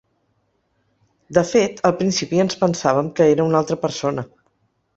De fet, al principi ens pensàvem que era una altra persona.